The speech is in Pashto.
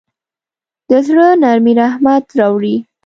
د زړه نرمي رحمت راوړي.